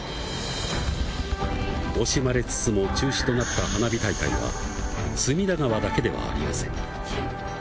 惜しまれつつも中止となった花火大会は隅田川だけではありません。